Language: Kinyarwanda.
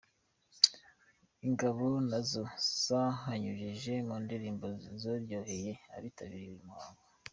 Ingabo na zo zakanyujijeho mundirimbo zaryoheye abitabiriye uyu muhango.